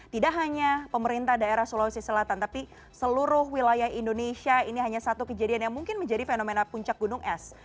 tidak hanya pemerintah daerah sulawesi selatan tapi seluruh wilayah indonesia ini hanya satu kejadian yang mungkin menjadi fenomena puncak gunung es